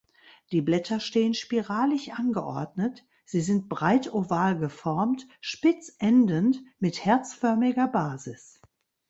Die Blätter stehen spiralig angeordnet, sie sind breit-oval geformt, spitz endend, mit herzförmiger Basis.